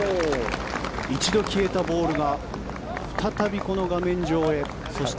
一度消えたボールが再びこの画面上へ。